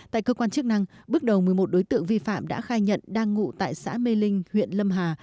tại cơ quan chức năng bước đầu một mươi một đối tượng vi phạm đã khai nhận đang ngụ tại xã mê linh huyện lâm hà